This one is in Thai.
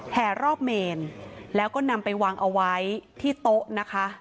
แห่รอบเมนแล้วก็นำไปวางเอาไว้ที่โต๊ะนะคะ